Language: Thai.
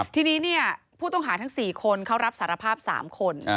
ทีนี้ผู้ต้องหาทั้ง๔คนเขารับสารภาพ๓คน